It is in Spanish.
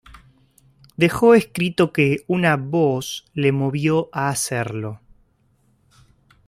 Dejó escrito que una "voz" le movió a hacerlo.